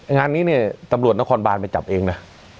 งานนี้เนี่ยตำรวจนครบานไปจับเองนะ